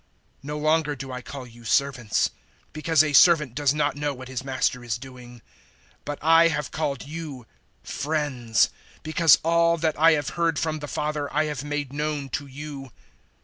015:015 No longer do I call you servants, because a servant does not know what his master is doing; but I have called you friends, because all that I have heard from the Father I have made known to you.